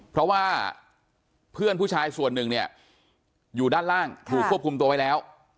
เพราะว่าเพื่อนผู้ชายส่วนหนึ่งเนี่ยอยู่ด้านล่างถูกควบคุมตัวไว้แล้ว